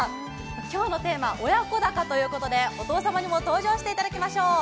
今日のテーマ親子鷹ということでお父様にも登場していただきましょう。